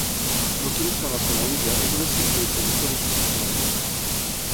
Joaquim Sala Sanahuja és un escriptor i traductor nascut a Sabadell.